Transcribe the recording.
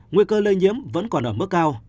nguy cơ lây nhiễm vẫn còn ở mức cao